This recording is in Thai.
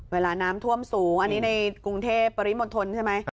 เวลาน้ำท่วมสูงอันนี้ในกรุงเทพปริมณฑลใช่ไหม